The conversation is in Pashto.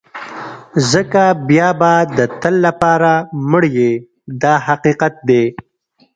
ځکه بیا به د تل لپاره مړ یې دا حقیقت دی.